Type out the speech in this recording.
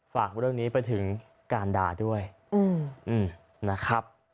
ฝากเรื่องนี้ไปถึงการด่าด้วยนะครับ